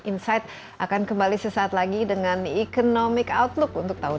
insight akan kembali sesaat lagi dengan economic outlook untuk tahun dua ribu dua